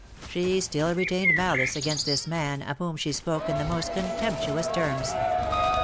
She still retained malice against this man, of whom she spoke in the most contemptuous terms.